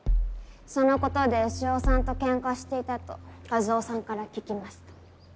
そのことで潮さんとケンカしていたと一魚さんから聞きました。